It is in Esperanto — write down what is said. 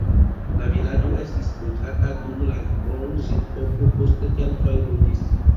La vilaĝo estis loĝata dum la bronzepoko, poste keltoj loĝis.